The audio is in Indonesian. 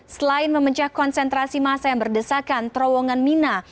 selain memecah konsentrasi masa yang berdesakan terowongan mina